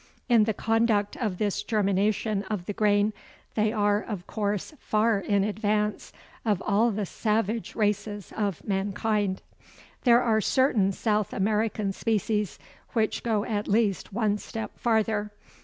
In the conduct of this germination of the grain they are, of course, far in advance of all the savage races of mankind. There are certain South American species which go at least one step farther.